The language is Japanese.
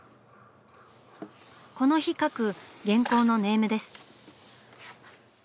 この日描く原稿のネームです。